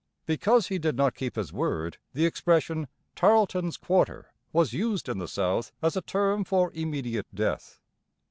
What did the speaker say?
Because he did not keep his word, the expression "Tarleton's quarter" was used in the South as a term for immediate death.